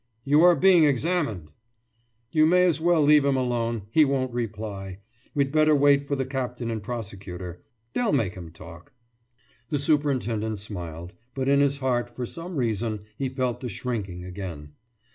»You are being examined!« »You may as well leave him alone. He won't reply. We'd better wait for the captain and prosecutor. They'll make him talk.« The superintendent smiled, but in his heart for some reason he felt the shrinking again.